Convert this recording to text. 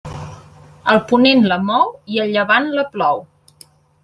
El ponent la mou i el llevant la plou.